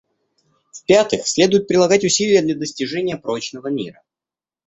В-пятых, следует прилагать усилия для достижения прочного мира.